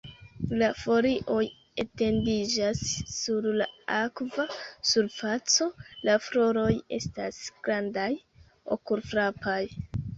La folioj etendiĝas sur la akva surfaco, la floroj estas grandaj, okulfrapaj.